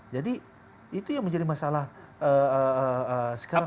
jadi itu yang menjadi masalah sekarang